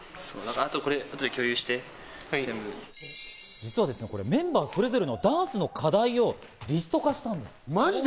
実はこれ、メンバーそれぞれのダンスの課題をリスト化したんです。